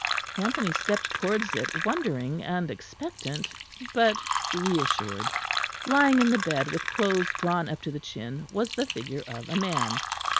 Anthony stepped towards it wondering and expectant, but reassured. Lying in the bed, with clothes drawn up to the chin was the figure of a man.